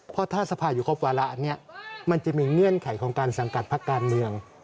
เพราะถ้าสภาอยู่ครบวาระเนี่ยมันจะมีเงื่อนไขของการสังกัดพักการเมือง